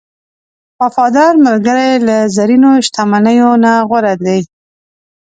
وفادار ملګری له زرینو شتمنیو نه غوره دی.